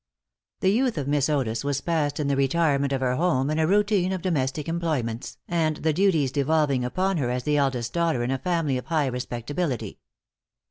The youth of Miss Otis was passed in the retirement of her home, in a routine of domestic employments, and the duties devolving upon her as the eldest daughter in a family of high respectability.